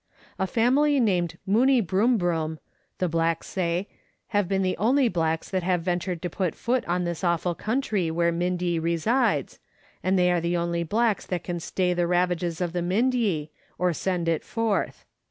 A family named Munnie Brumbrum, the blacks say, have been the only blacks that have ventured to put foot on this awful country where Mindye resides, and they are the only blacks that can stay the ravages of the Mindye, or send it forth.